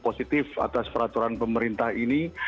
positif atas peraturan pemerintah ini